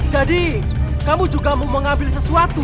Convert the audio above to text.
jadi kamu juga mau mengambil sesuatu